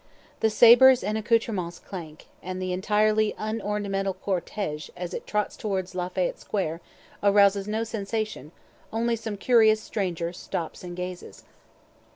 The sabres and accoutrements clank, and the entirely unornamental cortège as it trots towards Lafayette square arouses no sensation, only some curious stranger stops and gazes.